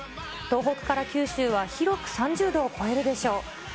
東北から九州は広く３０度を超えるでしょう。